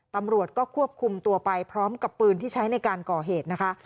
ตำรวจก็ควบคุมตัวไปพร้อมกับปืนที่ใช้ในการก่อเหตุนะคะ